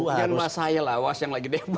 bukan mas haya lawas yang lagi debat